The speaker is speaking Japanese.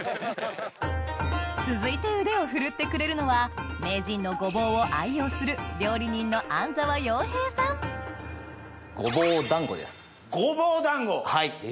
続いて腕を振るってくれるのは名人のごぼうを愛用するごぼう団子！